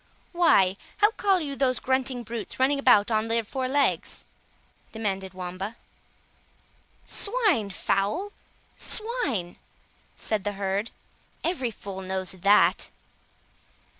"Why, how call you those grunting brutes running about on their four legs?" demanded Wamba. "Swine, fool, swine," said the herd, "every fool knows that."